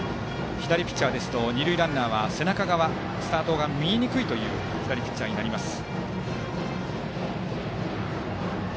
左ピッチャーですと二塁ランナーは背中側スタートが見えにくいということがあります。